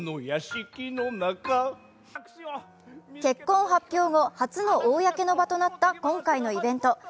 結婚発表後初の公の場となった今回のイベント。